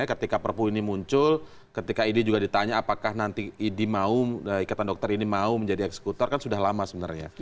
ketika perpu ini muncul ketika idi juga ditanya apakah nanti idi mau ikatan dokter ini mau menjadi eksekutor kan sudah lama sebenarnya